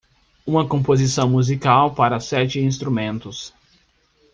Uma composição musical para sete instrumentos.